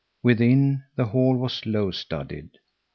Within, the hall was low studded.